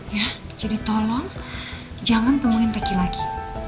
ya jadi tolong jangan temuin reki lagi